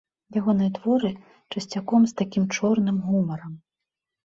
Ягоныя творы, часцяком, з такім чорным гумарам.